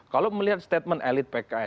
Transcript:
kalau melihat statement elit pks